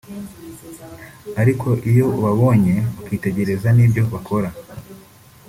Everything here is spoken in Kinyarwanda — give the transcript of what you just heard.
ariko iyo ubabonye ukitegereza n’ibyo bakora